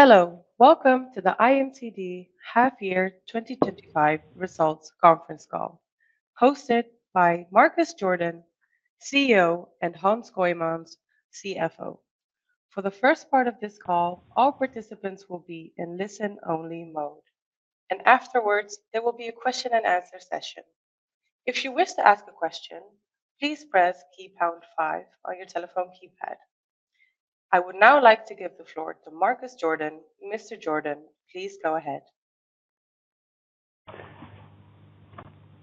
Hello, welcome to the IMCD half year 2025 results conference call. Hosted by Marcus Jordan, CEO, and Hans Kooijmans, CFO. For the first part of this call, all participants will be in listen-only mode, and afterwards, there will be a question-and-answer session. If you wish to ask a question, please press pound five on your telephone keypad. I would now like to give the floor to Marcus Jordan. Mr. Jordan, please go ahead.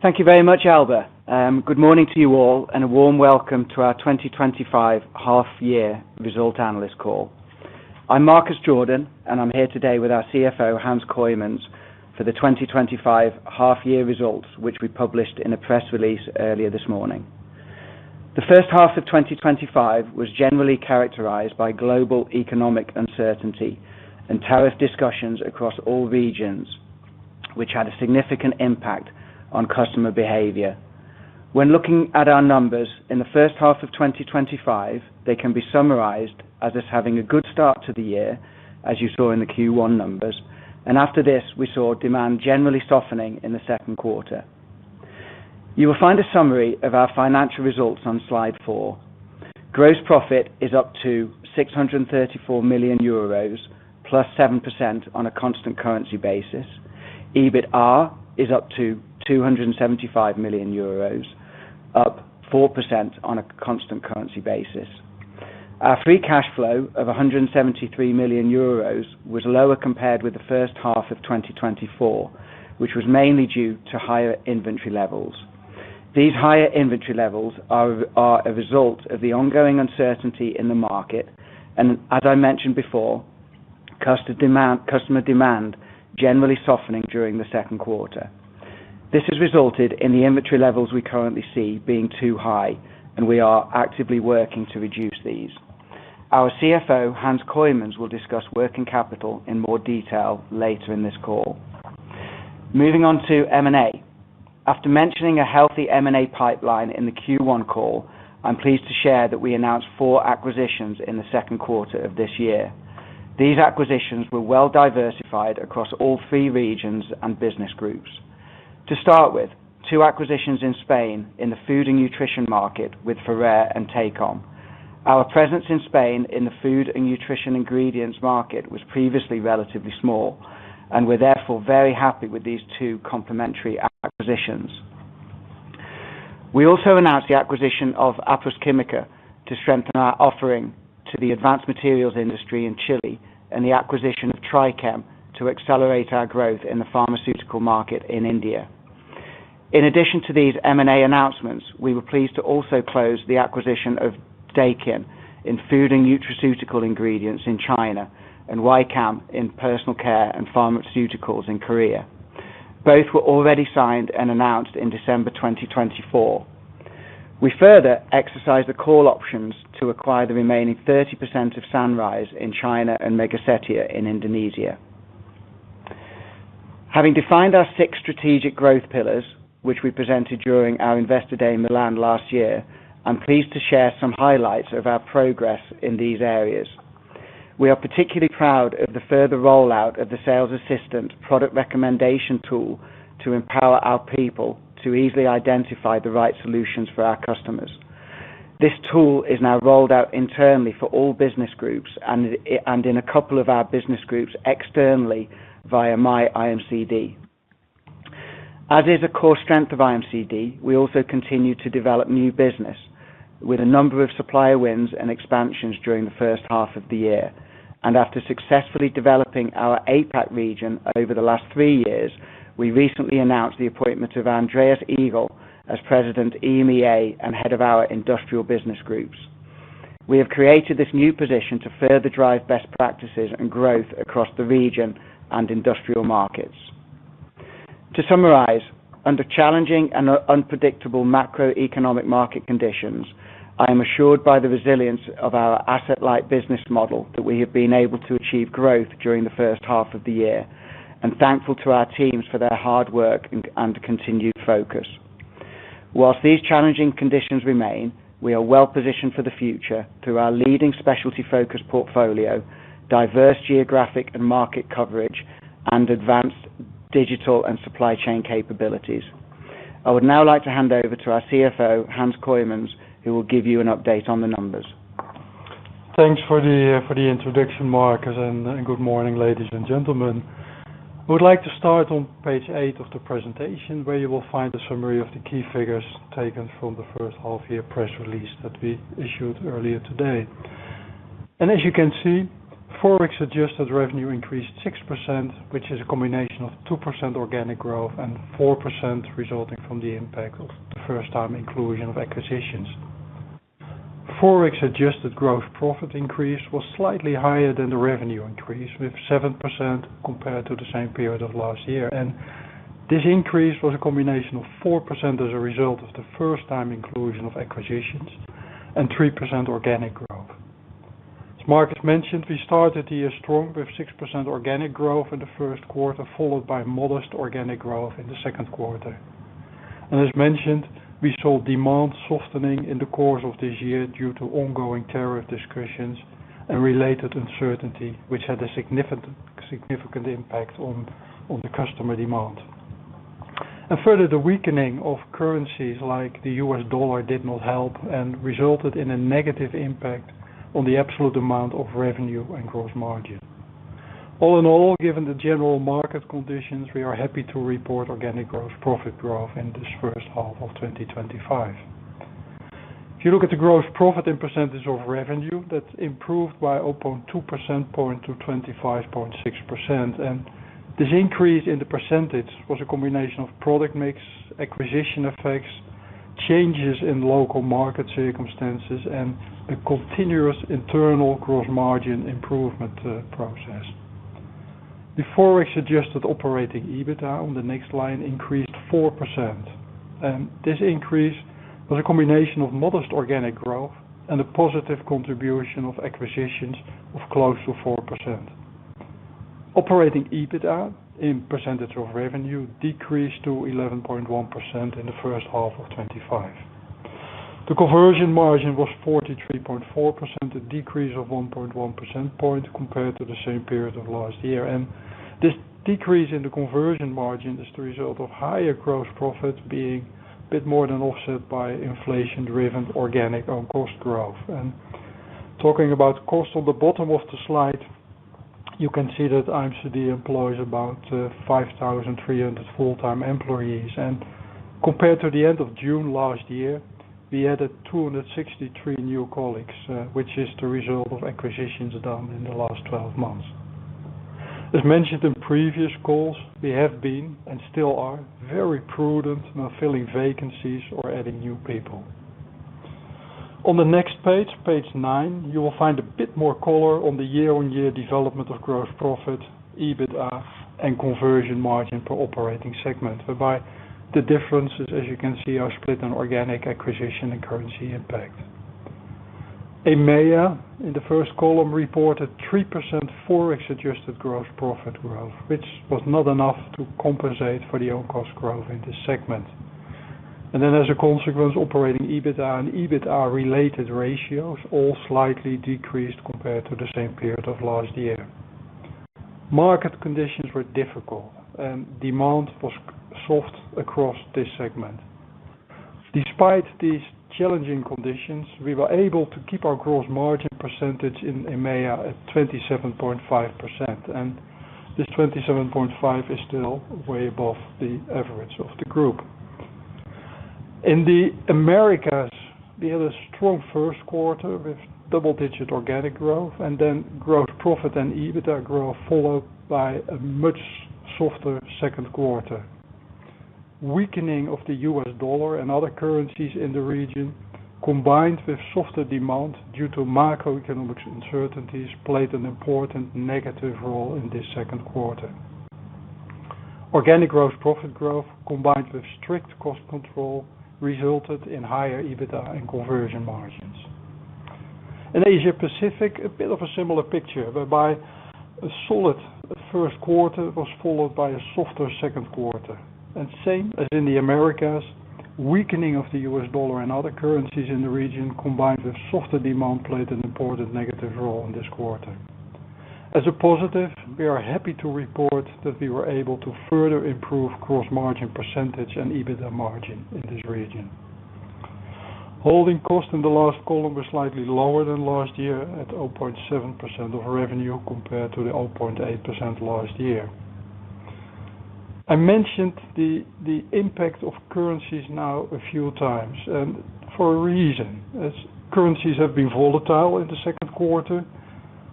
Thank you very much, Alba. Good morning to you all, and a warm welcome to our 2025 half year result analyst call. I'm Marcus Jordan, and I'm here today with our CFO, Hans Kooijmans, for the 2025 half year results, which we published in a press release earlier this morning. The first half of 2025 was generally characterized by global economic uncertainty and tariff discussions across all regions, which had a significant impact on customer behavior. When looking at our numbers in the first half of 2025, they can be summarized as having a good start to the year, as you saw in the Q1 numbers. After this, we saw demand generally softening in the second quarter. You will find a summary of our financial results on slide four. Gross profit is up to 634 million euros, +7% on a constant currency basis. EBITDA is up to 275 million euros, up 4% on a constant currency basis. Our free cash flow of 173 million euros was lower compared with the first half of 2024, which was mainly due to higher inventory levels. These higher inventory levels are a result of the ongoing uncertainty in the market, and as I mentioned before, customer demand generally softening during the second quarter. This has resulted in the inventory levels we currently see being too high, and we are actively working to reduce these. Our CFO, Hans Kooijmans, will discuss working capital in more detail later in this call. Moving on to M&A. After mentioning a healthy M&A pipeline in the Q1 call, I'm pleased to share that we announced four acquisitions in the second quarter of this year. These acquisitions were well diversified across all three regions and business groups. To start with, two acquisitions in Spain in the food and nutrition market with Ferrer and Tecom. Our presence in Spain in the food and nutrition ingredients market was previously relatively small, and we're therefore very happy with these two complementary acquisitions. We also announced the acquisition of Apus Química to strengthen our offering to the advanced materials industry in Chile, and the acquisition of Trichem to accelerate our growth in the pharmaceutical market in India. In addition to these M&A announcements, we were pleased to also close the acquisition of Daikin in food and nutraceutical ingredients in China, and Wycam in personal care and pharmaceuticals in Korea. Both were already signed and announced in December 2024. We further exercised the call options to acquire the remaining 30% of Sunrise in China and Mega Setia in Indonesia. Having defined our six strategic growth pillars, which we presented during our Investor Day in Milan last year, I'm pleased to share some highlights of our progress in these areas. We are particularly proud of the further rollout of the sales assistant product recommendation tool to empower our people to easily identify the right solutions for our customers. This tool is now rolled out internally for all business groups and in a couple of our business groups externally via MyIMCD. As is a core strength of IMCD, we also continue to develop new business with a number of supplier wins and expansions during the first half of the year. After successfully developing our APAC region over the last three years, we recently announced the appointment of Andreas Eagle as President EMEA and Head of our Industrial Business Groups. We have created this new position to further drive best practices and growth across the region and industrial markets. To summarize, under challenging and unpredictable macroeconomic market conditions, I am assured by the resilience of our asset-light business model that we have been able to achieve growth during the first half of the year, and thankful to our teams for their hard work and continued focus. Whilst these challenging conditions remain, we are well-positioned for the future through our leading specialty-focused portfolio, diverse geographic and market coverage, and advanced digital and supply chain capabilities. I would now like to hand over to our CFO, Hans Kooijmans, who will give you an update on the numbers. Thanks for the introduction, Marcus, and good morning, ladies and gentlemen. I would like to start on page eight of the presentation, where you will find a summary of the key figures taken from the first half-year press release that we issued earlier today. As you can see, forex-adjusted revenue increased 6%, which is a combination of 2% organic growth and 4% resulting from the impact of the first-time inclusion of acquisitions. Forex-adjusted gross profit increase was slightly higher than the revenue increase, with 7% compared to the same period of last year. This increase was a combination of 4% as a result of the first-time inclusion of acquisitions and 3% organic growth. As Marcus mentioned, we started the year strong with 6% organic growth in the first quarter, followed by modest organic growth in the second quarter. As mentioned, we saw demand softening in the course of this year due to ongoing tariff discussions and related uncertainty, which had a significant impact on the customer demand. Further, the weakening of currencies like the U.S. dollar did not help and resulted in a negative impact on the absolute amount of revenue and gross margin. All in all, given the general market conditions, we are happy to report organic gross profit growth in this first half of 2025. If you look at the gross profit in percentage of revenue, that's improved by 0.2% point to 25.6%. This increase in the percentage was a combination of product mix, acquisition effects, changes in local market circumstances, and a continuous internal gross margin improvement process. The forex-adjusted operating EBITDA on the next line increased 4%. This increase was a combination of modest organic growth and a positive contribution of acquisitions of close to 4%. Operating EBITDA in percentage of revenue decreased to 11.1% in the first half of 2025. The conversion margin was 43.4%, a decrease of 1.1% point compared to the same period of last year. This decrease in the conversion margin is the result of higher gross profits being a bit more than offset by inflation-driven organic on-cost growth. Talking about cost, on the bottom of the slide, you can see that IMCD employs about 5,300 full-time employees. Compared to the end of June last year, we added 263 new colleagues, which is the result of acquisitions done in the last 12 months. As mentioned in previous calls, we have been and still are very prudent in filling vacancies or adding new people. On the next page, page nine, you will find a bit more color on the year-on-year development of gross profit, EBITDA, and conversion margin per operating segment, whereby the differences, as you can see, are split on organic acquisition and currency impact. EMEA, in the first column, reported 3% forex-adjusted gross profit growth, which was not enough to compensate for the on-cost growth in this segment. As a consequence, operating EBITDA and EBITDA-related ratios all slightly decreased compared to the same period of last year. Market conditions were difficult, and demand was soft across this segment. Despite these challenging conditions, we were able to keep our gross margin percentage in EMEA at 27.5%. This 27.5% is still way above the average of the group. In the Americas, we had a strong first quarter with double-digit organic growth, and then gross profit and EBITDA growth followed by a much softer second quarter. Weakening of the U.S dollar and other currencies in the region, combined with softer demand due to macroeconomic uncertainties, played an important negative role in this second quarter. Organic gross profit growth, combined with strict cost control, resulted in higher EBITDA and conversion margins. In Asia-Pacific, a bit of a similar picture, whereby a solid first quarter was followed by a softer second quarter. Same as in the Americas, weakening of the U.S. dollar and other currencies in the region, combined with softer demand, played an important negative role in this quarter. As a positive, we are happy to report that we were able to further improve gross margin percentage and EBITDA margin in this region. Holding cost in the last column was slightly lower than last year at 0.7% of revenue compared to the 0.8% last year. I mentioned the impact of currencies now a few times, and for a reason. Currencies have been volatile in the second quarter,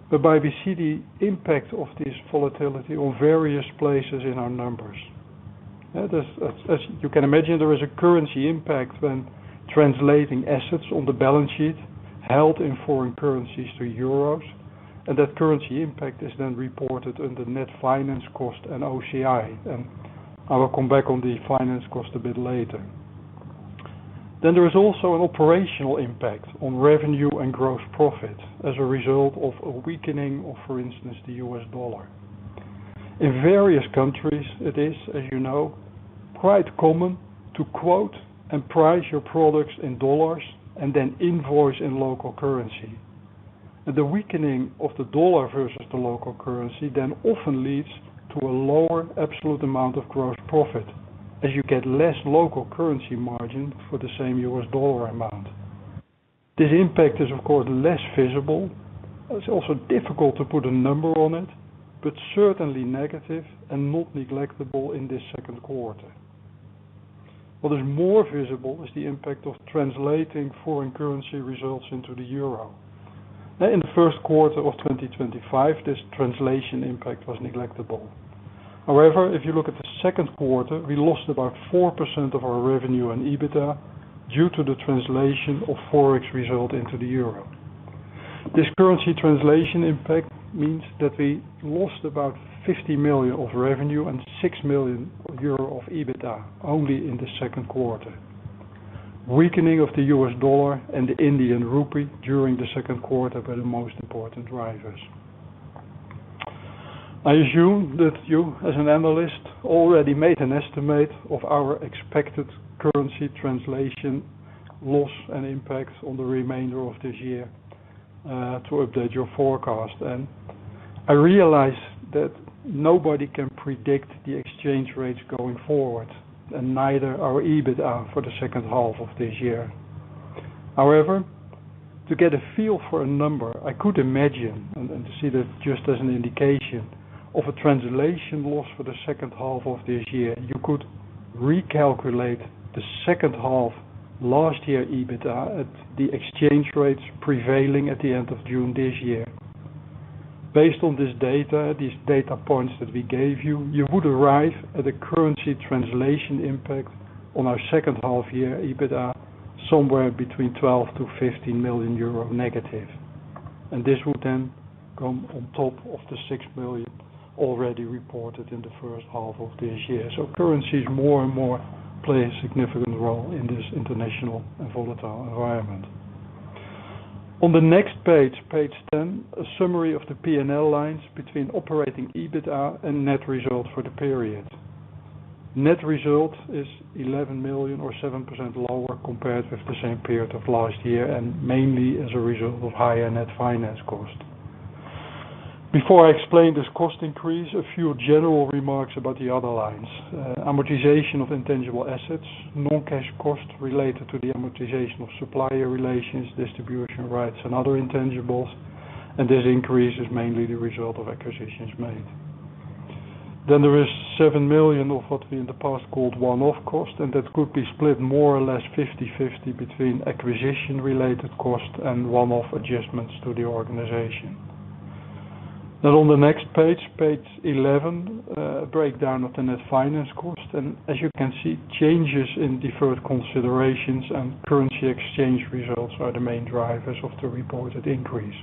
whereby we see the impact of this volatility on various places in our numbers. As you can imagine, there is a currency impact when translating assets on the balance sheet held in foreign currencies to EURs, and that currency impact is then reported under net finance cost and OCI. I will come back on the finance cost a bit later. There is also an operational impact on revenue and gross profit as a result of a weakening of, for instance, the U.S. dollar. In various countries, it is, as you know, quite common to quote and price your products in dollars and then invoice in local currency. The weakening of the dollar versus the local currency then often leads to a lower absolute amount of gross profit as you get less local currency margin for the same U.S. dollar amount. This impact is, of course, less visible. It's also difficult to put a number on it, but certainly negative and not neglectable in this second quarter. What is more visible is the impact of translating foreign currency results into the EUR. Now, in the first quarter of 2025, this translation impact was neglectable. However, if you look at the second quarter, we lost about 4% of our revenue and EBITDA due to the translation of forex result into the EUR. This currency translation impact means that we lost about 50 million of revenue and 6 million euro of EBITDA only in the second quarter. Weakening of the U.S. dollar and the Indian rupee during the second quarter were the most important drivers. I assume that you, as an analyst, already made an estimate of our expected currency translation loss and impact on the remainder of this year to update your forecast. I realize that nobody can predict the exchange rates going forward, and neither our EBITDA for the second half of this year. However, to get a feel for a number, I could imagine, and to see that just as an indication of a translation loss for the second half of this year, you could recalculate the second half last year EBITDA at the exchange rates prevailing at the end of June this year. Based on this data, these data points that we gave you, you would arrive at a currency translation impact on our second half-year EBITDA somewhere between 12 million-15 million euro negative. This would then come on top of the 6 million already reported in the first half of this year. Currencies more and more play a significant role in this international and volatile environment. On the next page, page 10, a summary of the P&L lines between operating EBITDA and net result for the period. Net result is 11 million or 7% lower compared with the same period of last year, and mainly as a result of higher net finance cost. Before I explain this cost increase, a few general remarks about the other lines: amortization of intangible assets, non-cash cost related to the amortization of supplier relations, distribution rights, and other intangibles. This increase is mainly the result of acquisitions made. There is 7 million of what we in the past called one-off cost, and that could be split more or less 50/50 between acquisition-related cost and one-off adjustments to the organization. On the next page, page 11, a breakdown of the net finance cost. As you can see, changes in deferred considerations and currency exchange results are the main drivers of the reported increase.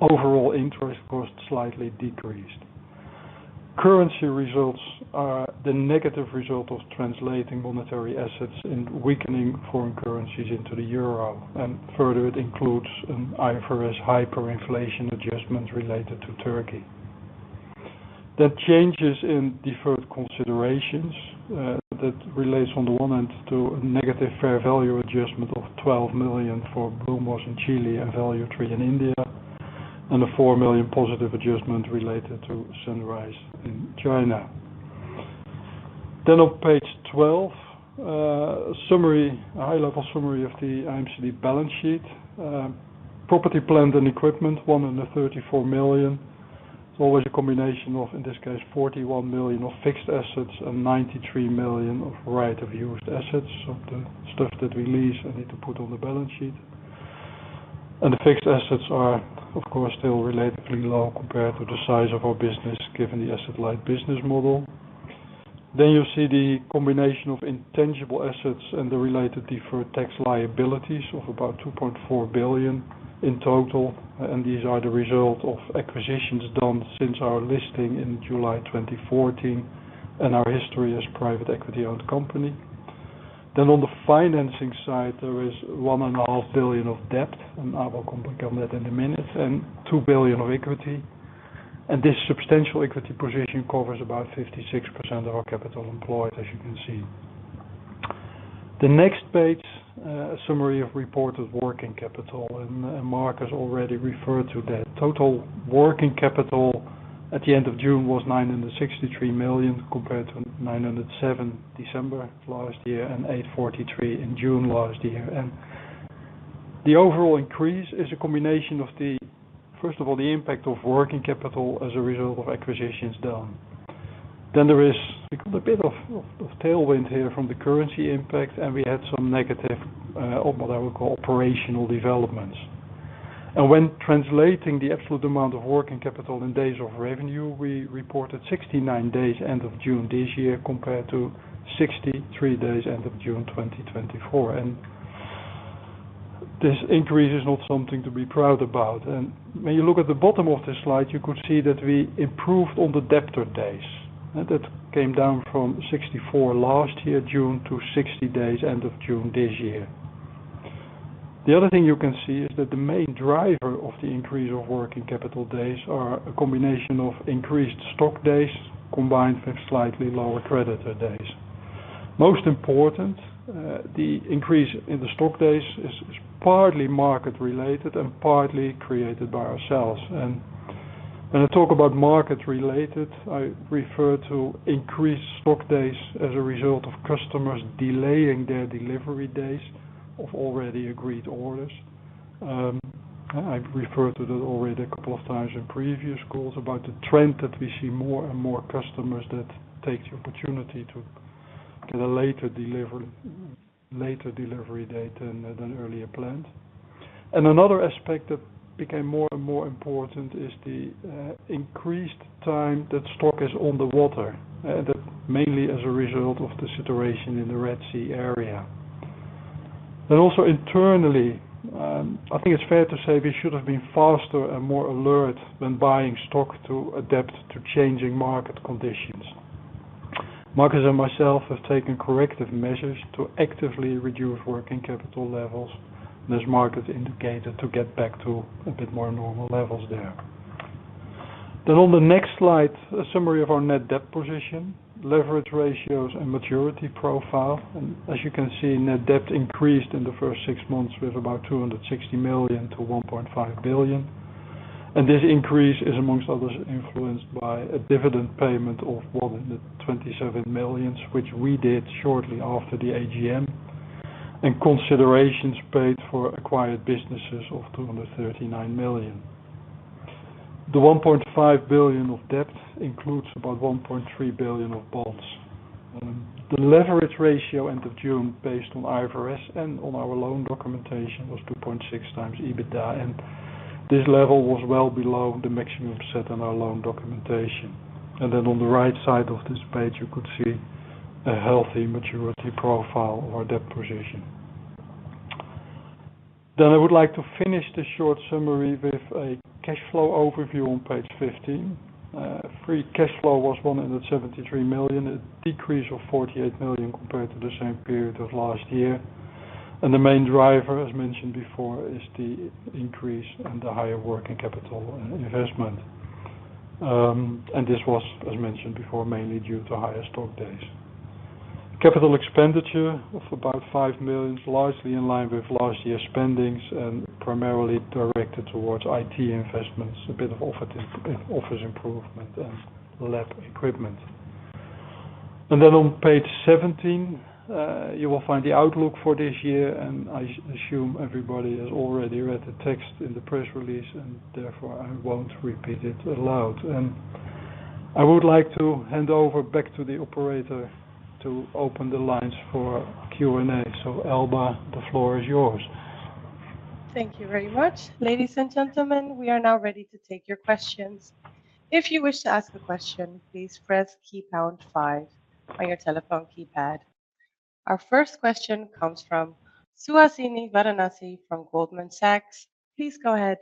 Overall, interest cost slightly decreased. Currency results are the negative result of translating monetary assets and weakening foreign currencies into the EUR. Further, it includes an IFRS hyperinflation adjustment related to Turkey. There are changes in deferred considerations that relate, on the one end, to a negative fair value adjustment of 12 million for Bloomberg in Chile and ValueTree in India, and a 4 million positive adjustment related to Sunrise in China. On page 12, a high-level summary of the IMCD balance sheet. Property, plant, and equipment, 134 million. It's always a combination of, in this case, 41 million of fixed assets and 93 million of right of use assets, so the stuff that we lease and need to put on the balance sheet. The fixed assets are, of course, still relatively low compared to the size of our business, given the asset-light business model. You see the combination of intangible assets and the related deferred tax liabilities of about 2.4 billion in total. These are the result of acquisitions done since our listing in July 2014 and our history as a private equity-owned company. On the financing side, there is 1.5 billion of debt, and I will come back on that in a minute, and 2 billion of equity. This substantial equity position covers about 56% of our capital employed, as you can see. The next page, a summary of reported working capital, and Marcus already referred to that. Total working capital at the end of June was 963 million compared to 907 million in December last year and 843 million in June last year. The overall increase is a combination of, first of all, the impact of working capital as a result of acquisitions done. There is a bit of tailwind here from the currency impact, and we had some negative, what I would call, operational developments. When translating the absolute amount of working capital in days of revenue, we reported 69 days end of June this year compared to 63 days end of June 2024. This increase is not something to be proud about. When you look at the bottom of this slide, you could see that we improved on the debtor days. That came down from 64 last year, June, to 60 days end of June this year. The other thing you can see is that the main driver of the increase of working capital days is a combination of increased stock days combined with slightly lower creditor days. Most important, the increase in the stock days is partly market-related and partly created by ourselves. When I talk about market-related, I refer to increased stock days as a result of customers delaying their delivery days of already agreed orders. I referred to that already a couple of times in previous calls about the trend that we see more and more customers take the opportunity to get a later delivery date than earlier planned. Another aspect that became more and more important is the increased time that stock is on the water, and that mainly as a result of the situation in the Red Sea area. Also, internally, I think it's fair to say we should have been faster and more alert when buying stock to adapt to changing market conditions. Marcus and myself have taken corrective measures to actively reduce working capital levels, as Marcus indicated, to get back to a bit more normal levels there. On the next slide, a summary of our net debt position, leverage ratios, and maturity profile. As you can see, net debt increased in the first six months by about 260 million-1.5 billion. This increase is, amongst others, influenced by a dividend payment of 127 million, which we did shortly after the AGM, and considerations paid for acquired businesses of 239 million. The 1.5 billion of debt includes about 1.3 billion of bonds. The leverage ratio end of June, based on IFRS and on our loan documentation, was 2.6x EBITDA, and this level was well below the maximum set in our loan documentation. On the right side of this page, you could see a healthy maturity profile of our debt position. I would like to finish this short summary with a cash flow overview on page 15. Free cash flow was 173 million, a decrease of 48 million compared to the same period of last year. The main driver, as mentioned before, is the increase and the higher working capital investment. This was, as mentioned before, mainly due to higher stock days. The capital expenditure of about 5 million, largely in line with last year's spendings and primarily directed towards IT investments, a bit of office improvement and lab equipment. On page 17, you will find the outlook for this year. I assume everybody has already read the text in the press release, and therefore, I won't repeat it aloud. I would like to hand over back to the operator to open the lines for Q&A. Alba, the floor is yours. Thank you very much. Ladies and gentlemen, we are now ready to take your questions. If you wish to ask a question, please press pound five on your telephone keypad. Our first question comes from Suhasini Varanasi from Goldman Sachs. Please go ahead.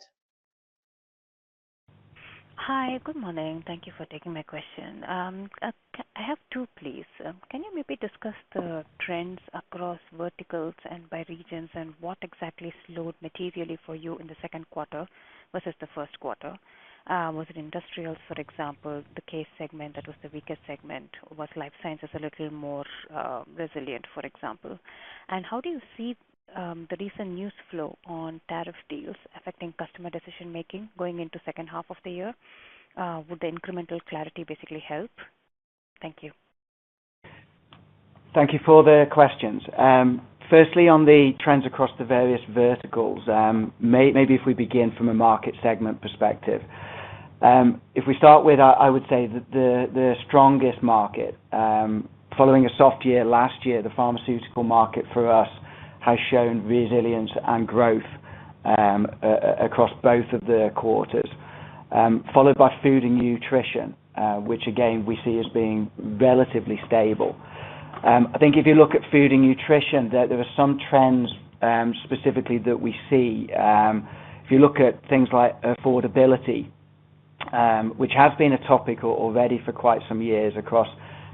Hi. Good morning. Thank you for taking my question. I have two, please. Can you maybe discuss the trends across verticals and by regions, and what exactly slowed materially for you in the second quarter versus the first quarter? Was it industrials, for example, the case segment that was the weakest segment, or was life sciences a little more resilient, for example? How do you see the recent news flow on tariff deals affecting customer decision-making going into the second half of the year? Would the incremental clarity basically help? Thank you. Thank you for the questions. Firstly, on the trends across the various verticals, maybe if we begin from a market segment perspective. If we start with, I would say, the strongest market. Following a soft year last year, the pharmaceutical market for us has shown resilience and growth across both of the quarters, followed by food and nutrition, which, again, we see as being relatively stable. I think if you look at food and nutrition, there are some trends specifically that we see. If you look at things like affordability, which has been a topic already for quite some years across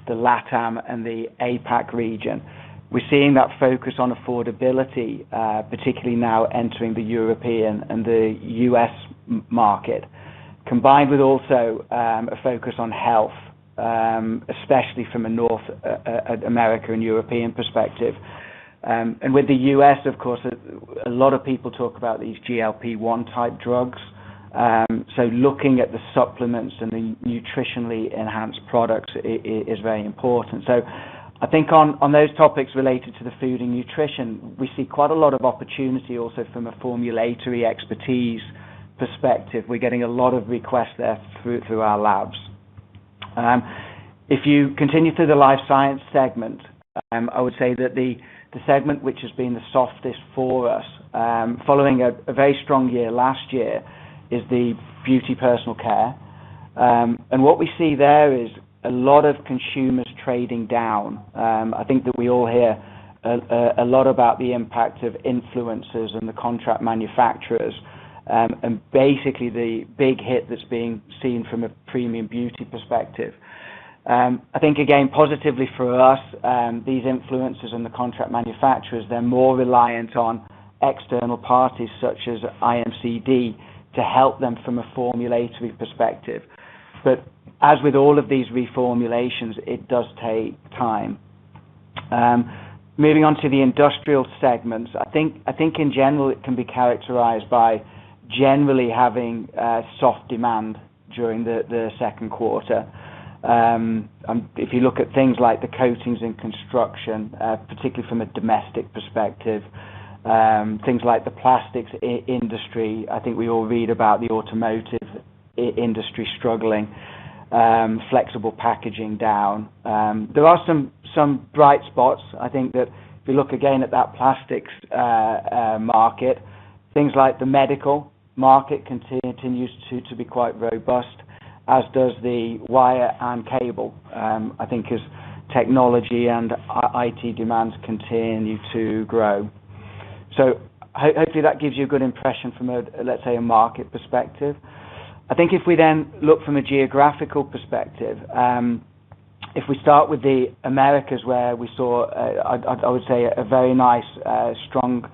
the LATAM and the Asia-Pacific region, we're seeing that focus on affordability, particularly now entering the European and the U.S. market, combined with also a focus on health, especially from a North America and European perspective. With the U.S., of course, a lot of people talk about these GLP-1 type drugs. Looking at the supplements and the nutritionally enhanced products is very important. I think on those topics related to the food and nutrition, we see quite a lot of opportunity also from a formulatory expertise perspective. We're getting a lot of requests there through our labs. If you continue through the life science segment, I would say that the segment which has been the softest for us, following a very strong year last year, is the beauty personal care. What we see there is a lot of consumers trading down. I think that we all hear a lot about the impact of influencers and the contract manufacturers, and basically the big hit that's being seen from a premium beauty perspective. I think, again, positively for us, these influencers and the contract manufacturers, they're more reliant on external parties such as IMCD to help them from a formulatory perspective. As with all of these reformulations, it does take time. Moving on to the industrial segments, I think in general it can be characterized by generally having soft demand during the second quarter. If you look at things like the coatings and construction, particularly from a domestic perspective, things like the plastics industry, I think we all read about the automotive industry struggling, flexible packaging down. There are some bright spots. I think that if you look again at that plastics market, things like the medical market continue to be quite robust, as does the wire and cable. I think as technology and IT demands continue to grow, hopefully that gives you a good impression from a, let's say, a market perspective. I think if we then look from a geographical perspective, if we start with the Americas, where we saw, I would say, a very nice strong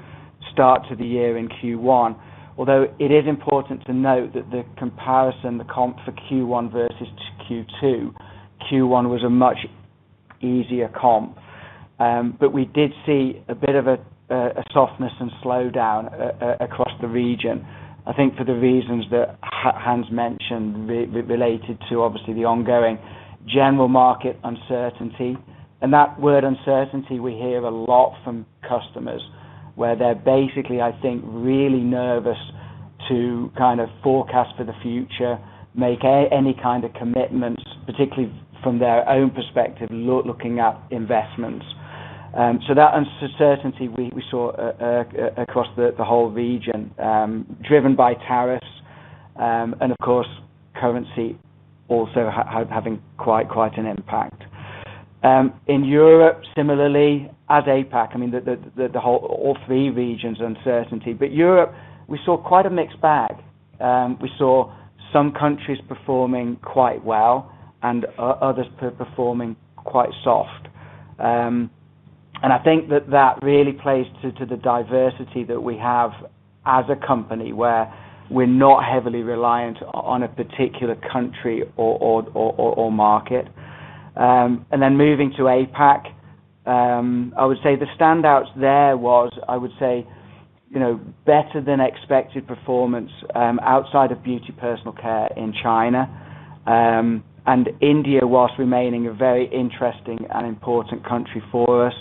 start to the year in Q1. Although it is important to note that the comparison, the comp for Q1 versus Q2, Q1 was a much easier comp. We did see a bit of a softness and slowdown across the region, I think for the reasons that Hans mentioned, related to obviously the ongoing general market uncertainty. That word uncertainty, we hear a lot from customers where they're basically, I think, really nervous to kind of forecast for the future, make any kind of commitments, particularly from their own perspective, looking at investments. That uncertainty we saw across the whole region, driven by tariffs, and of course, currency also having quite an impact. In Europe, similarly as APAC, all three regions, uncertainty. Europe, we saw quite a mixed bag. We saw some countries performing quite well and others performing quite soft. I think that really plays to the diversity that we have as a company, where we're not heavily reliant on a particular country or market. Moving to APAC, I would say the standouts there was, I would say, you know, better than expected performance outside of beauty personal care in China. India, whilst remaining a very interesting and important country for us,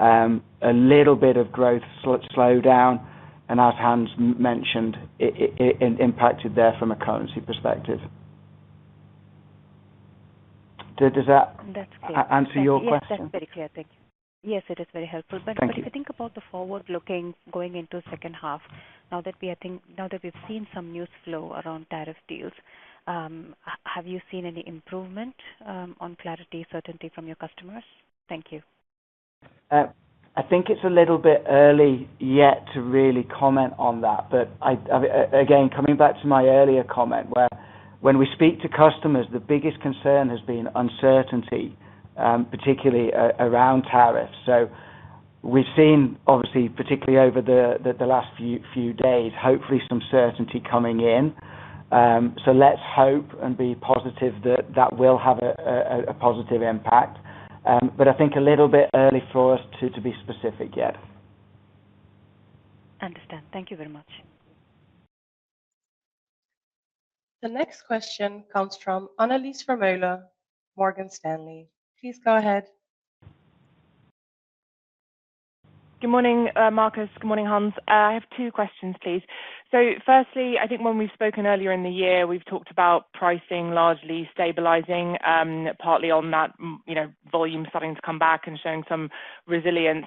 a little bit of growth slowed down. As Hans mentioned, it impacted there from a currency perspective. Does that answer your question? Yes, that's very clear. Thank you. Yes, it is very helpful. Thank you. If you think about the forward-looking, going into the second half, now that we've seen some news flow around tariff deals, have you seen any improvement on clarity, certainty from your customers? Thank you. I think it's a little bit early yet to really comment on that. Again, coming back to my earlier comment, when we speak to customers, the biggest concern has been uncertainty, particularly around tariffs. We've seen, obviously, particularly over the last few days, hopefully some certainty coming in. Let's hope and be positive that that will have a positive impact. I think a little bit early for us to be specific yet. Understand. Thank you very much. The next question comes from Anneliese Vermeulen, Morgan Stanley. Please go ahead. Good morning, Marcus. Good morning, Hans. I have two questions, please. Firstly, I think when we've spoken earlier in the year, we've talked about pricing largely stabilizing, partly on that, you know, volume starting to come back and showing some resilience.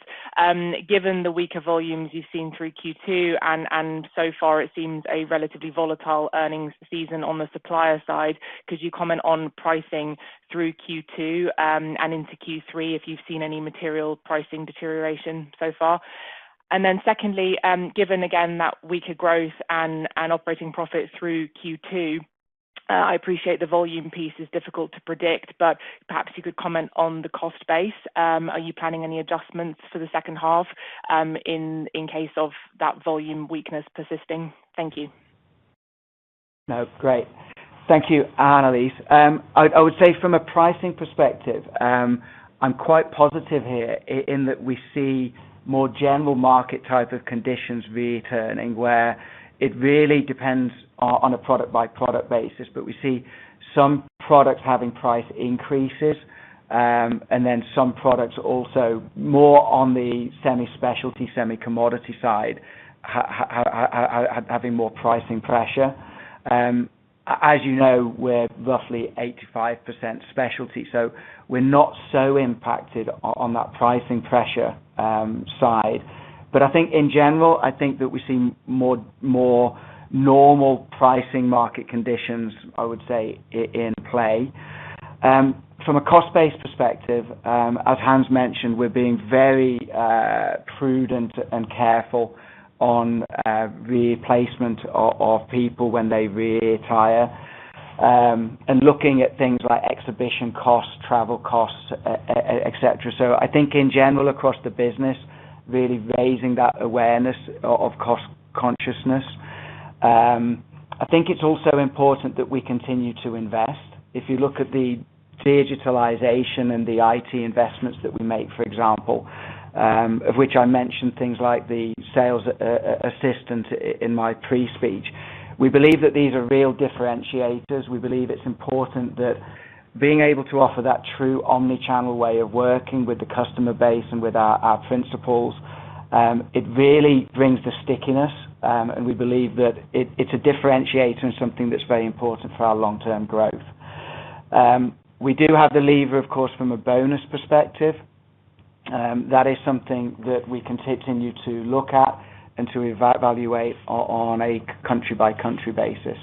Given the weaker volumes you've seen through Q2, and so far, it seems a relatively volatile earnings season on the supplier side, could you comment on pricing through Q2 and into Q3 if you've seen any material pricing deterioration so far? Secondly, given again that weaker growth and operating profit through Q2, I appreciate the volume piece is difficult to predict, but perhaps you could comment on the cost base. Are you planning any adjustments for the second half in case of that volume weakness persisting? Thank you. No, great. Thank you, Anneliese. I would say from a pricing perspective, I'm quite positive here in that we see more general market type of conditions returning, where it really depends on a product-by-product basis. We see some products having price increases, and then some products also more on the semi-specialty, semi-commodity side having more pricing pressure. As you know, we're roughly 85% specialty, so we're not so impacted on that pricing pressure side. I think in general, we're seeing more normal pricing market conditions, I would say, in play. From a cost-based perspective, as Hans mentioned, we're being very prudent and careful on replacement of people when they retire and looking at things like exhibition costs, travel costs, etc. I think in general, across the business, really raising that awareness of cost consciousness. I think it's also important that we continue to invest. If you look at the digitalization and the IT investments that we make, for example, of which I mentioned things like the sales assistant product recommendation tool in my pre-speech, we believe that these are real differentiators. We believe it's important that being able to offer that true omnichannel way of working with the customer base and with our principals, it really brings the stickiness. We believe that it's a differentiator and something that's very important for our long-term growth. We do have the lever, of course, from a bonus perspective. That is something that we can continue to look at and to evaluate on a country-by-country basis.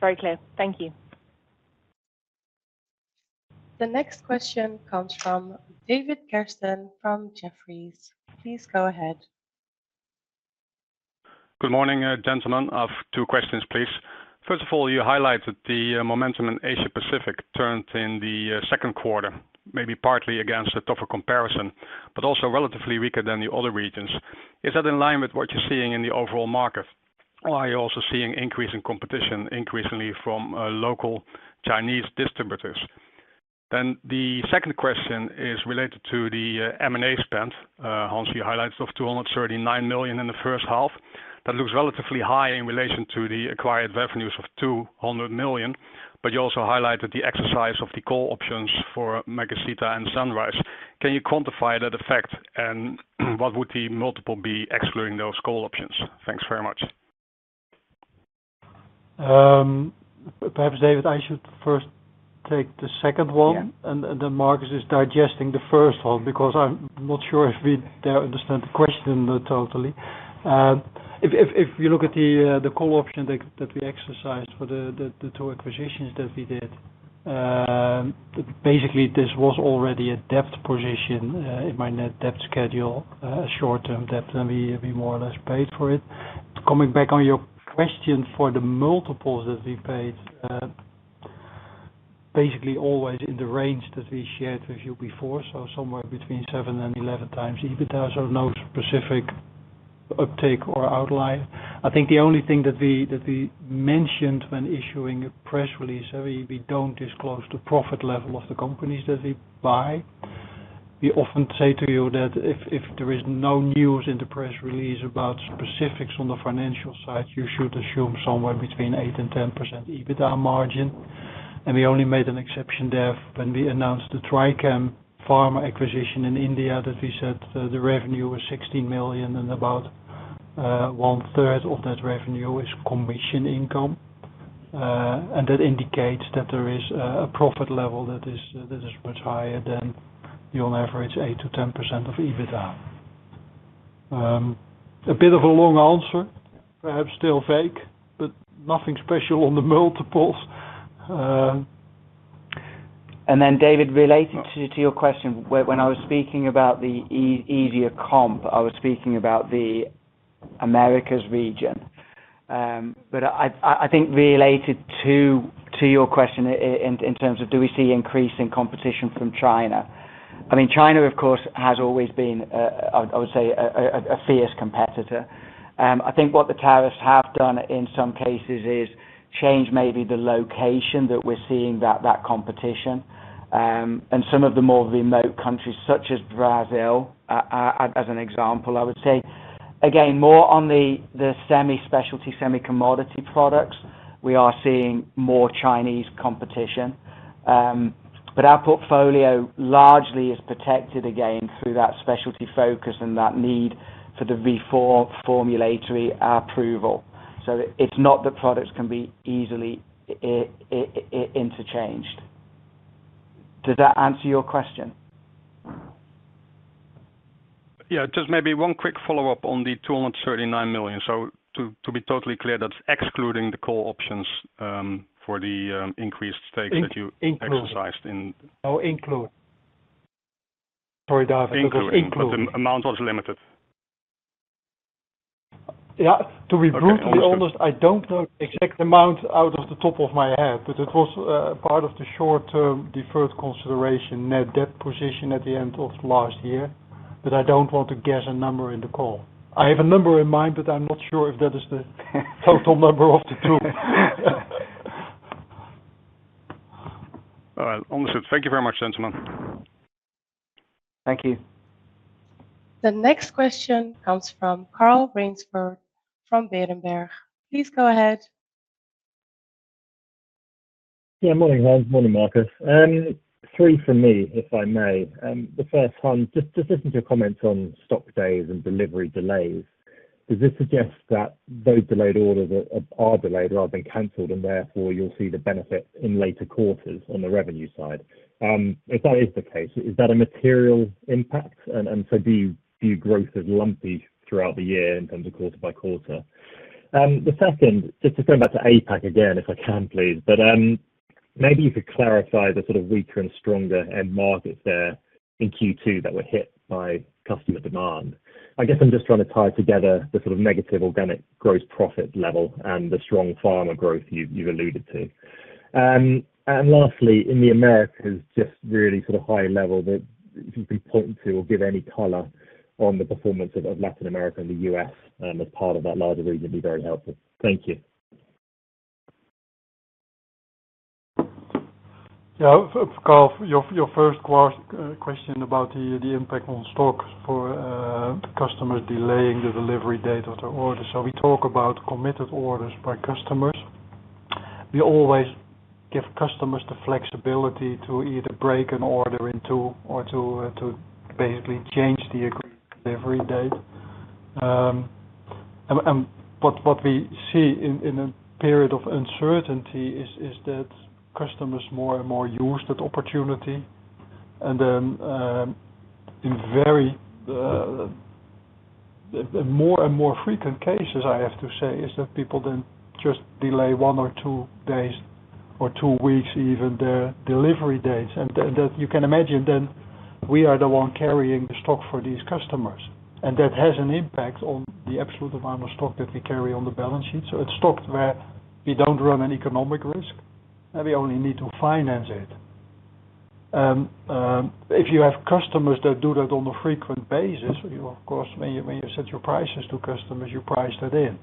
Very clear. Thank you. The next question comes from David Kersten from Jefferies. Please go ahead. Good morning, gentlemen. I have two questions, please. First of all, you highlighted the momentum in Asia-Pacific turned in the second quarter, maybe partly against a tougher comparison, but also relatively weaker than the other regions. Is that in line with what you're seeing in the overall market? Are you also seeing increasing competition increasingly from local Chinese distributors? The second question is related to the M&A spend. Hans, you highlighted 239 million in the first half. That looks relatively high in relation to the acquired revenues of 200 million. You also highlighted the exercise of the call options for Mega Setia and Sunrise. Can you quantify that effect? What would the multiple be excluding those call options? Thanks very much. Perhaps, David, I should first take the second one. Marcus is digesting the first one because I'm not sure if we understand the question totally. If you look at the call option that we exercised for the two acquisitions that we did, basically, this was already a debt position in my net debt schedule, a short-term debt, and we more or less paid for it. Coming back on your question for the multiples that we paid, basically always in the range that we shared with you before, somewhere between 7x and 11x EBITDA, no specific uptake or outlier. I think the only thing that we mentioned when issuing a press release is that we don't disclose the profit level of the companies that we buy. We often say to you that if there is no news in the press release about specifics on the financial side, you should assume somewhere between 8% and 10% EBITDA margin. We only made an exception there when we announced the Trichem acquisition in India that we said the revenue was 16 million and about 1/3 of that revenue is commission income. That indicates that there is a profit level that is much higher than, on average, 8%-10% of EBITDA. A bit of a long answer, perhaps still vague, but nothing special on the multiples. David, related to your question, when I was speaking about the easier comp, I was speaking about the Americas region. I think related to your question in terms of do we see increasing competition from China, China, of course, has always been, I would say, a fierce competitor. I think what the tariffs have done in some cases is changed maybe the location that we're seeing that competition. In some of the more remote countries, such as Brazil, as an example, I would say, again, more on the semi-specialty, semi-commodity products, we are seeing more Chinese competition. Our portfolio largely is protected again through that specialty focus and that need for the reformulatory approval, so it's not that products can be easily interchanged. Does that answer your question? Yeah, just maybe one quick follow-up on the 239 million. To be totally clear, that's excluding the call options for the increased stake that you exercised in. No, include. Sorry, David. Because the amount was limited. To be brutally honest, I don't know the exact amount out of the top of my head, but it was part of the short-term deferred consideration net debt position at the end of last year. I don't want to guess a number in the call. I have a number in mind, but I'm not sure if that is the total number of the two. All right. Understood. Thank you very much, gentlemen. Thank you. The next question comes from Carl Raynsford from Berenberg. Please go ahead. Yeah, morning, Hans. Morning, Marcus. Three from me, if I may. The first one, just listening to your comments on stock days and delivery delays, does this suggest that those delayed orders are delayed rather than canceled, and therefore, you'll see the benefit in later quarters on the revenue side? If that is the case, is that a material impact? Do you view growth as lumpy throughout the year in terms of quarter by quarter? The second, just to go back to APAC again, if I can, please, but maybe you could clarify the sort of weaker and stronger end markets there in Q2 that were hit by customer demand. I guess I'm just trying to tie together the sort of negative organic gross profit level and the strong pharma growth you've alluded to. Lastly, in the Americas, just really sort of high level that if you can point to or give any color on the performance of Latin America and the U.S. as part of that larger region would be very helpful. Thank you. Yeah, Carl, your first question about the impact on stocks for customers delaying the delivery date of the order. We talk about committed orders by customers. We always give customers the flexibility to either break an order in two or to basically change the agreed delivery date. What we see in a period of uncertainty is that customers more and more use that opportunity. In very more and more frequent cases, I have to say, people then just delay one or two days or two weeks even their delivery dates. You can imagine we are the one carrying the stock for these customers, and that has an impact on the absolute amount of stock that we carry on the balance sheet. It's stock where we don't run an economic risk, and we only need to finance it. If you have customers that do that on a frequent basis, of course, when you set your prices to customers, you price that in.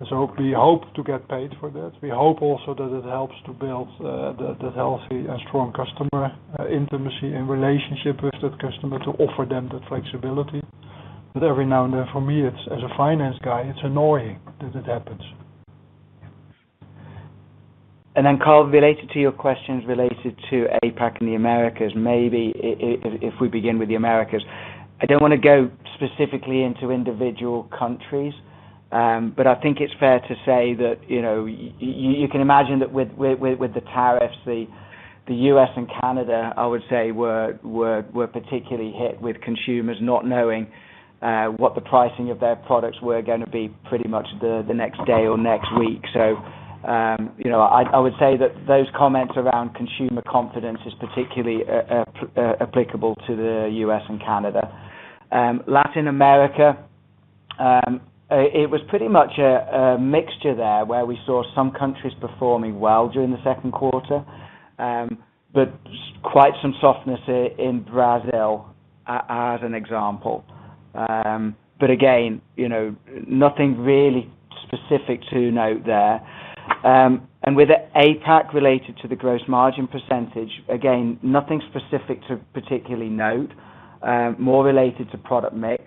We hope to get paid for that. We hope also that it helps to build that healthy and strong customer intimacy and relationship with that customer to offer them that flexibility. Every now and then, for me, as a finance guy, it's annoying that it happens. Carl, related to your questions related to APAC and the Americas, maybe if we begin with the Americas, I don't want to go specifically into individual countries, but I think it's fair to say that you know, you can imagine that with the tariffs, the U.S. and Canada, I would say, were particularly hit with consumers not knowing what the pricing of their products were going to be pretty much the next day or next week. I would say that those comments around consumer confidence are particularly applicable to the U.S. and Canada. Latin America, it was pretty much a mixture there where we saw some countries performing well during the second quarter, but quite some softness in Brazil as an example. Again, nothing really specific to note there. With APAC related to the gross margin percentage, again, nothing specific to particularly note, more related to product mix.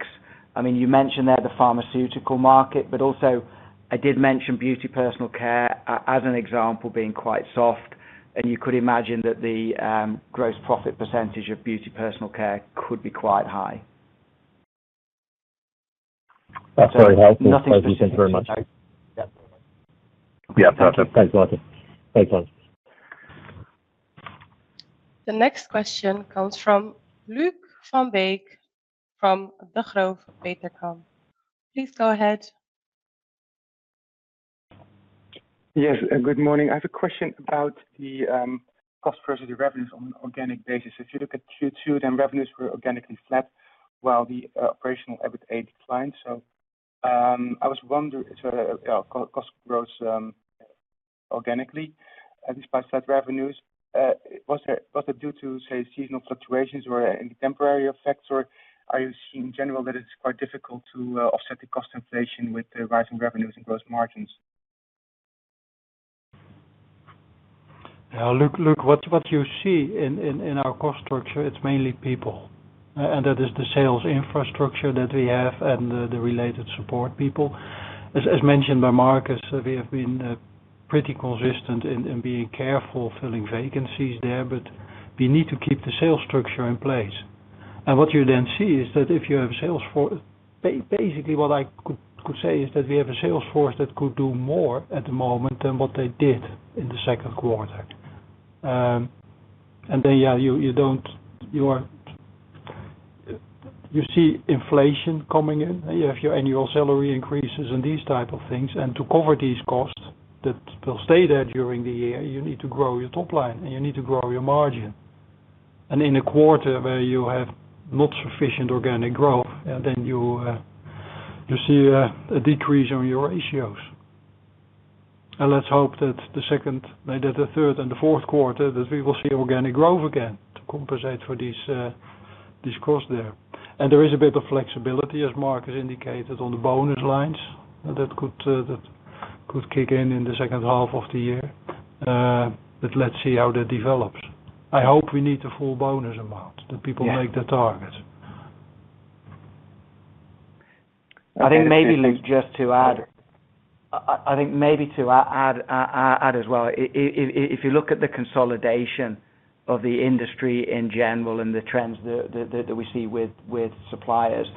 You mentioned there the pharmaceutical market, but also I did mention beauty personal care as an example being quite soft. You could imagine that the gross profit percentage of beauty personal care could be quite high. That's very helpful. Thank you very much. Yeah, perfect. Thanks, Marcus. Thanks, Hans. The next question comes from Luuk Van Beek from Degroof Petercam. Please go ahead. Yes. Good morning. I have a question about the cost versus the revenues on an organic basis. If you look at Q2, then revenues were organically flat while the operational EBITDA declined. I was wondering, cost growth organically, and despite flat revenues, was that due to, say, seasonal fluctuations or any temporary effects? Are you seeing in general that it's quite difficult to offset the cost inflation with the rising revenues and gross margins? Yeah, Luuk, what you see in our cost structure, it's mainly people. That is the sales infrastructure that we have and the related support people. As mentioned by Marcus, we have been pretty consistent in being careful filling vacancies there, but we need to keep the sales structure in place. What you then see is that if you have a salesforce, basically what I could say is that we have a salesforce that could do more at the moment than what they did in the second quarter. You see inflation coming in. You have your annual salary increases and these types of things. To cover these costs that will stay there during the year, you need to grow your top line and you need to grow your margin. In a quarter where you have not sufficient organic growth, you see a decrease on your ratios. Let's hope that the second, that the third, and the fourth quarter that we will see organic growth again to compensate for these costs there. There is a bit of flexibility, as Marcus indicated, on the bonus lines that could kick in in the second half of the year. Let's see how that develops. I hope we need the full bonus amount that people make the target. I think, Luuk, just to add, if you look at the consolidation of the industry in general and the trends that we see with suppliers,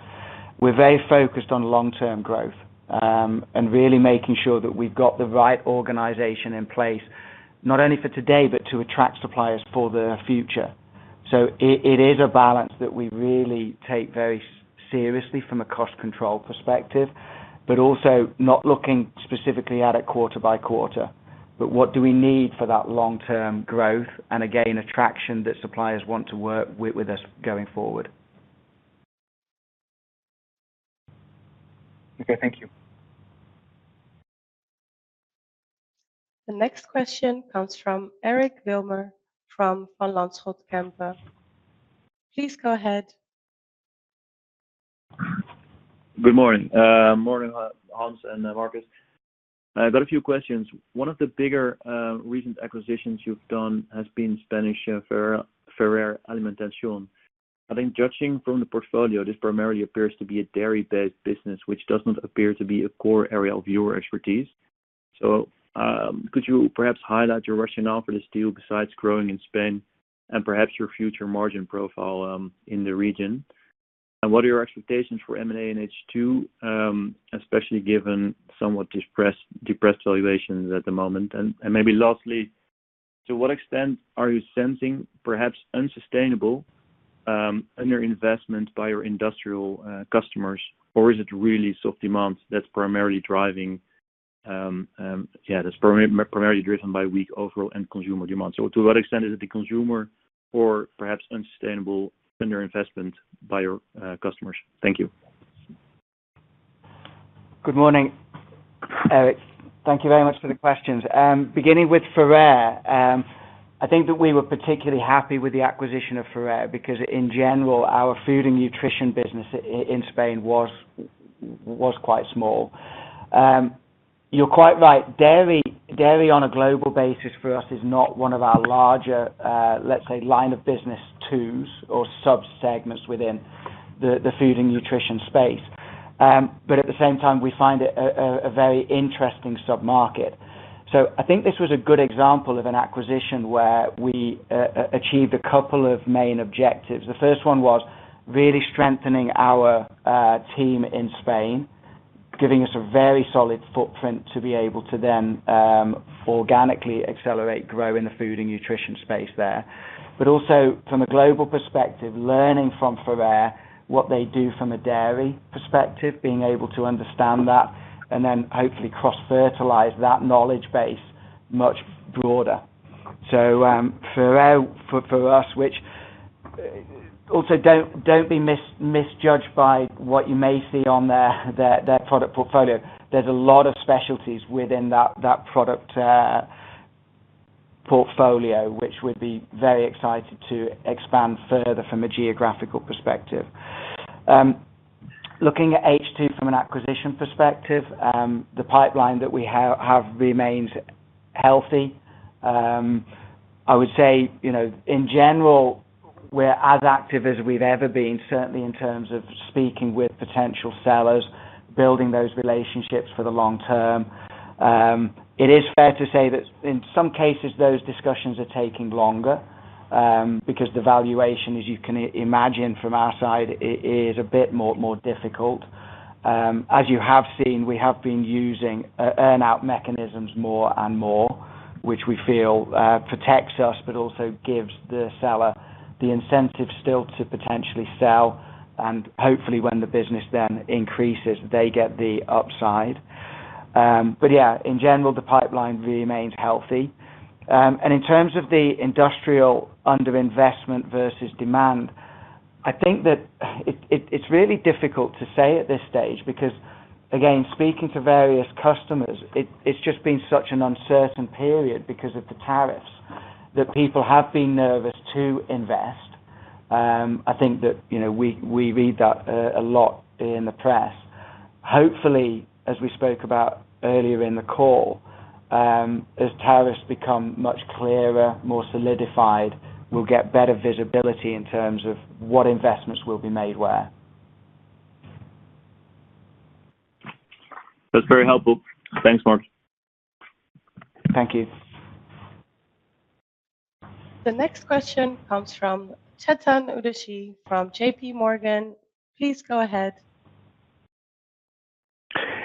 we're very focused on long-term growth and really making sure that we've got the right organization in place, not only for today but to attract suppliers for the future. It is a balance that we really take very seriously from a cost control perspective, but also not looking specifically at it quarter by quarter. What do we need for that long-term growth and, again, attraction that suppliers want to work with us going forward? Okay, thank you. The next question comes from Eric Wilmer from Van Lanschot Kempen. Please go ahead. Good morning. Morning, Hans and Marcus. I've got a few questions. One of the bigger recent acquisitions you've done has been Spanish Ferrer Alimentación. I think judging from the portfolio, this primarily appears to be a dairy-based business, which does not appear to be a core area of your expertise. Could you perhaps highlight your rationale for this deal besides growing in Spain and perhaps your future margin profile in the region? What are your expectations for M&A in H2, especially given somewhat depressed valuations at the moment? Maybe lastly, to what extent are you sensing perhaps unsustainable underinvestment by your industrial customers? Is it really soft demand that's primarily driving? Yeah, that's primarily driven by weak overall end consumer demand. To what extent is it the consumer or perhaps unsustainable underinvestment by your customers? Thank you. Good morning, Eric. Thank you very much for the questions. Beginning with Ferrer Alimentación, I think that we were particularly happy with the acquisition of Ferrer Alimentación because, in general, our food ingredients and nutrition business in Spain was quite small. You're quite right. Dairy on a global basis for us is not one of our larger, let's say, line of business twos or subsegments within the food ingredients and nutrition space. At the same time, we find it a very interesting submarket. I think this was a good example of an acquisition where we achieved a couple of main objectives. The first one was really strengthening our team in Spain, giving us a very solid footprint to be able to then organically accelerate, grow in the food ingredients and nutrition space there. Also, from a global perspective, learning from Ferrer what they do from a dairy perspective, being able to understand that, and then hopefully cross-fertilize that knowledge base much broader. Ferrer for us, which also don't be misjudged by what you may see on their product portfolio, there's a lot of specialties within that product portfolio, which we'd be very excited to expand further from a geographical perspective. Looking at H2 from an acquisition perspective, the pipeline that we have remains healthy. I would say, in general, we're as active as we've ever been, certainly in terms of speaking with potential sellers, building those relationships for the long term. It is fair to say that in some cases, those discussions are taking longer because the valuation, as you can imagine, from our side, is a bit more difficult. As you have seen, we have been using earnout structures more and more, which we feel protects us, but also gives the seller the incentive still to potentially sell. Hopefully, when the business then increases, they get the upside. In general, the pipeline remains healthy. In terms of the industrial underinvestment versus demand, I think that it's really difficult to say at this stage because, again, speaking to various customers, it's just been such an uncertain period because of the tariffs that people have been nervous to invest. I think that we read that a lot in the press. Hopefully, as we spoke about earlier in the call, as tariffs become much clearer, more solidified, we'll get better visibility in terms of what investments will be made where. That's very helpful. Thanks, Mark. Thank you. The next question comes from Chetan Udeshi from JPMorgan. Please go ahead.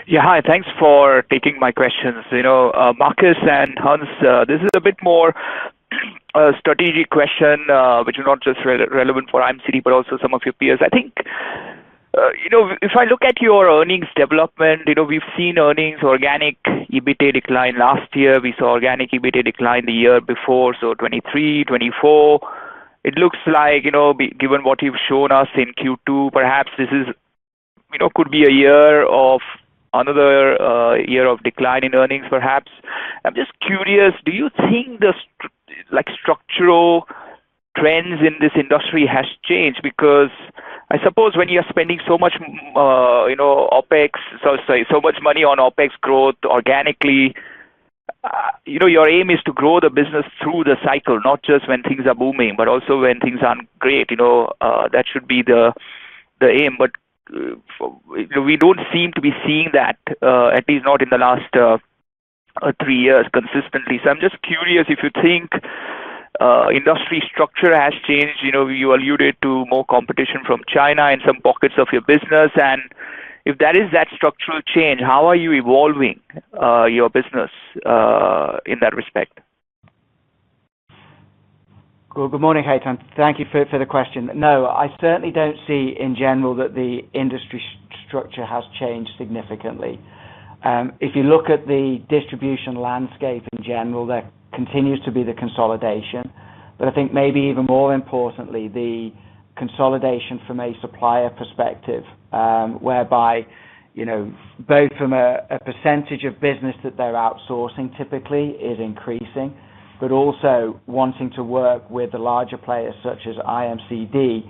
Yeah, hi. Thanks for taking my questions. Marcus and Hans, this is a bit more a strategic question, which is not just relevant for IMCD, but also some of your peers. I think, if I look at your earnings development, we've seen earnings organic EBITDA decline last year. We saw organic EBITDA decline the year before, so 2023, 2024. It looks like, given what you've shown us in Q2, perhaps this could be a year of another year of decline in earnings, perhaps. I'm just curious, do you think the structural trends in this industry have changed? Because I suppose when you're spending so much OpEx, so much money on OpEx growth organically, your aim is to grow the business through the cycle, not just when things are booming, but also when things aren't great. That should be the aim. We don't seem to be seeing that, at least not in the last three years, consistently. I'm just curious if you think industry structure has changed. You alluded to more competition from China in some pockets of your business. If that is that structural change, how are you evolving your business in that respect? Good morning, Chetan. Thank you for the question. No, I certainly don't see, in general, that the industry structure has changed significantly. If you look at the distribution landscape in general, there continues to be the consolidation. I think maybe even more importantly, the consolidation from a supplier perspective, whereby, you know, both from a percentage of business that they're outsourcing typically is increasing, but also wanting to work with the larger players such as IMCD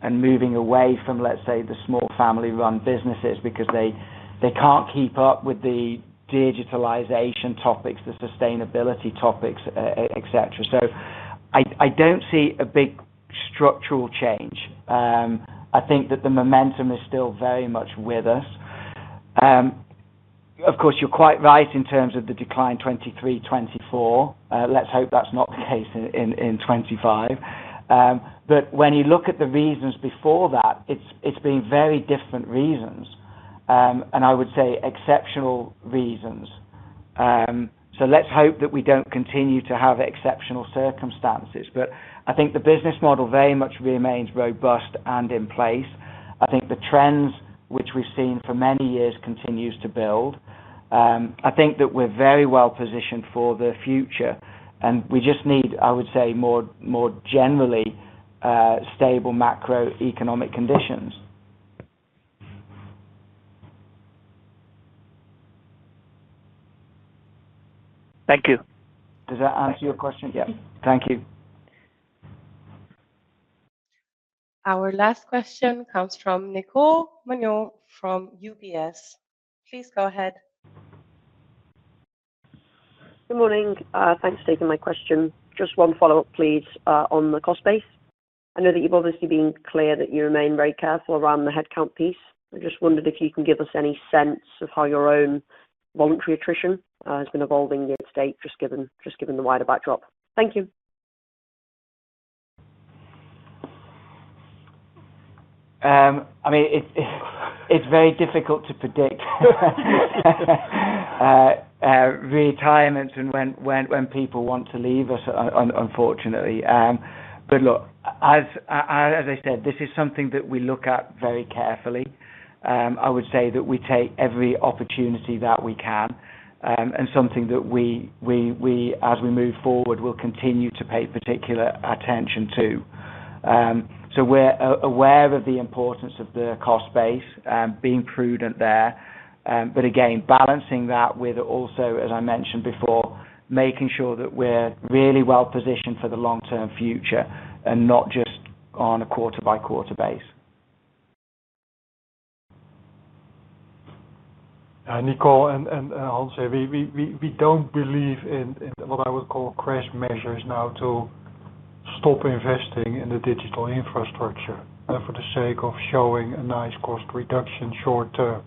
and moving away from, let's say, the small family-run businesses because they can't keep up with the digitalization topics, the sustainability topics, etc. I don't see a big structural change. I think that the momentum is still very much with us. Of course, you're quite right in terms of the decline 2023, 2024. Let's hope that's not the case in 2025. When you look at the reasons before that, it's been very different reasons, and I would say exceptional reasons. Let's hope that we don't continue to have exceptional circumstances. I think the business model very much remains robust and in place. I think the trends, which we've seen for many years, continue to build. I think that we're very well-positioned for the future. We just need, I would say, more generally stable macroeconomic conditions. Thank you. Does that answer your question? Yes. Thank you. Our last question comes from Nicole Manion from UBS. Please go ahead. Good morning. Thanks for taking my question. Just one follow-up, please, on the cost base. I know that you've obviously been clear that you remain very careful around the headcount piece. I just wondered if you can give us any sense of how your own voluntary attrition has been evolving year to date, just given the wider backdrop. Thank you. It's very difficult to predict retirements when people want to leave us, unfortunately. As I said, this is something that we look at very carefully. I would say that we take every opportunity that we can, and something that we, as we move forward, will continue to pay particular attention to. We're aware of the importance of the cost base, being prudent there. Again, balancing that with also, as I mentioned before, making sure that we're really well-positioned for the long-term future and not just on a quarter-by-quarter base. Nicole and Hans, we don't believe in what I would call crash measures now to stop investing in the digital infrastructure for the sake of showing a nice cost reduction short-term.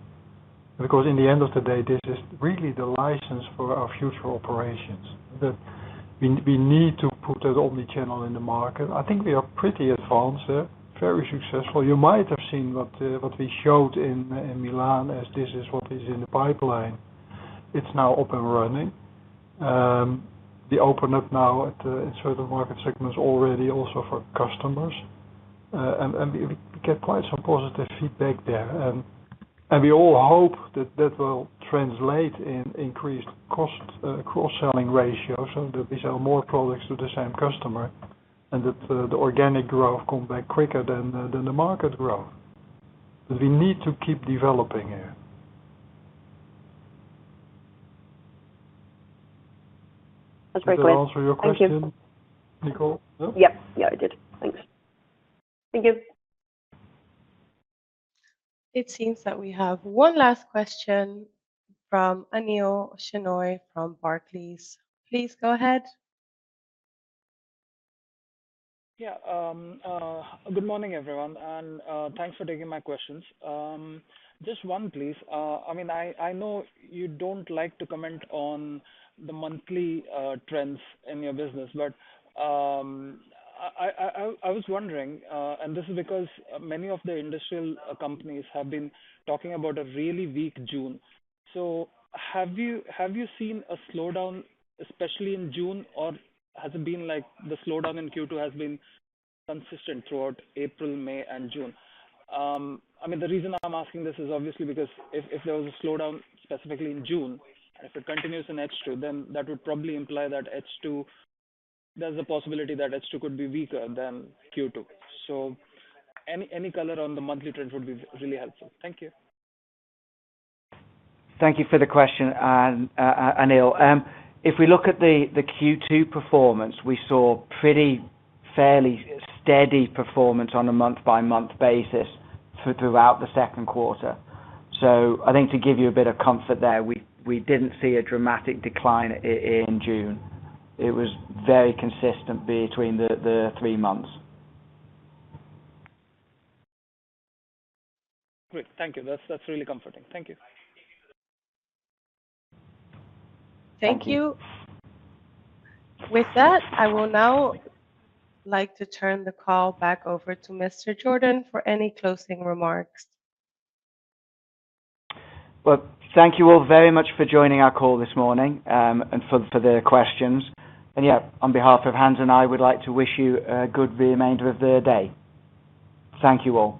In the end of the day, this is really the license for our future operations. We need to put that omnichannel in the market. I think we are pretty advanced, very successful. You might have seen what we showed in Milan as this is what is in the pipeline. It's now up and running. We open up now in certain market segments already also for customers. We get quite some positive feedback there. We all hope that will translate in increased cross-selling ratios, so that we sell more products to the same customer and that the organic growth comes back quicker than the market growth. We need to keep developing here. That's very good. Does that answer your question, Nicole? Yep. Yeah, it did. Thanks. Thank you. It seems that we have one last question from Anil Shenoy from Barclays. Please go ahead. Good morning, everyone. Thanks for taking my questions. Just one, please. I know you don't like to comment on the monthly trends in your business, but I was wondering, and this is because many of the industrial companies have been talking about a really weak June. Have you seen a slowdown, especially in June, or has it been like the slowdown in Q2 has been consistent throughout April, May, and June? The reason I'm asking this is obviously because if there was a slowdown specifically in June, and if it continues in H2, then that would probably imply that H2, there's a possibility that H2 could be weaker than Q2. Any color on the monthly trends would be really helpful. Thank you. Thank you for the question, Anil. If we look at the Q2 performance, we saw pretty fairly steady performance on a month-by-month basis throughout the second quarter. I think to give you a bit of comfort there, we didn't see a dramatic decline in June. It was very consistent between the three months. Great, thank you. That's really comforting. Thank you. Thank you. With that, I would now like to turn the call back over to Mr. Jordan for any closing remarks. Thank you all very much for joining our call this morning and for the questions. On behalf of Hans and I, we'd like to wish you a good remainder of the day. Thank you all.